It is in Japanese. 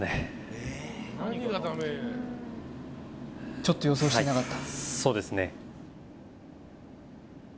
ちょっと予想してなかった？